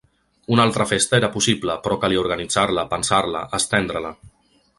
Una altra festa era possible, però calia organitzar-la, pensar-la, estendre-la.